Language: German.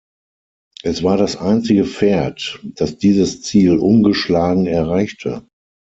Es war das einzige Pferd, das dieses Ziel ungeschlagen erreichte.